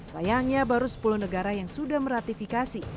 sayangnya baru sepuluh negara yang sudah meratifikasi